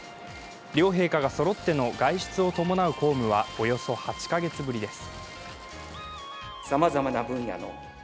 両陛下がそろっての外出を伴う公務はおよそ８カ月ぶりです。